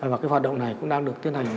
và cái hoạt động này cũng đang được tiến hành